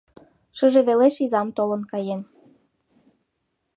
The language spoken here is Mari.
Шыже велеш изам толын каен.